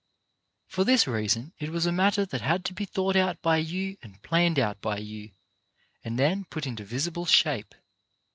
For this reason it was a matter that had to be thought out by you and planned out by you, and then put into visible shape.